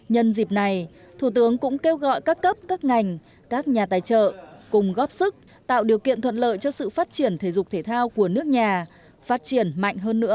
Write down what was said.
nhân dịp này thủ tướng cũng kêu gọi các cấp các ngành các nhà tài trợ cùng góp sức tạo điều kiện thuận lợi cho sự phát triển thể dục thể thao của nước nhà phát triển mạnh hơn nữa